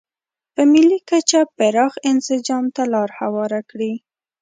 په ملي کچه پراخ انسجام ته لار هواره کړي.